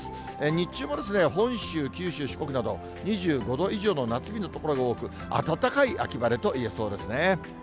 日中も本州、九州、四国など、２５度以上の夏日の所が多く、暖かい秋晴れと言えそうですね。